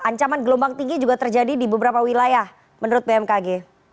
ancaman gelombang tinggi juga terjadi di beberapa wilayah menurut bmkg